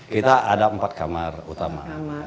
kita ada empat kamar utama